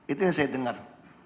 itu yang saya dengar